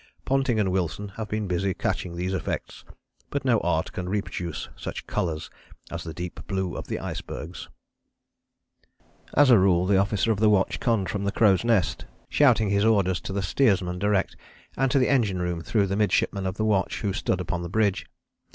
Ponting and Wilson have been busy catching these effects, but no art can reproduce such colours as the deep blue of the icebergs." As a rule the officer of the watch conned from the crow's nest, shouting his orders to the steersman direct, and to the engine room through the midshipman of the watch, who stood upon the bridge.